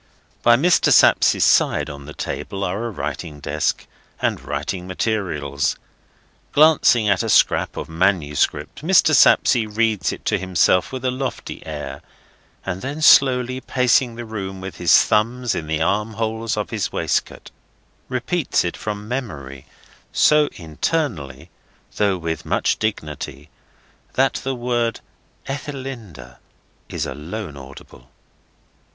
By Mr. Sapsea's side on the table are a writing desk and writing materials. Glancing at a scrap of manuscript, Mr. Sapsea reads it to himself with a lofty air, and then, slowly pacing the room with his thumbs in the arm holes of his waistcoat, repeats it from memory: so internally, though with much dignity, that the word "Ethelinda" is alone audible.